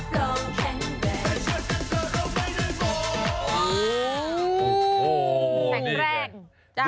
แข่งแรกจับเลย